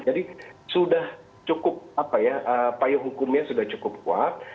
jadi sudah cukup payung hukumnya sudah cukup kuat